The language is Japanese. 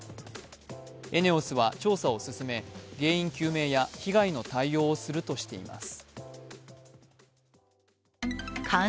ＥＮＥＯＳは調査を進め原因究明や被害の対応をするとしています。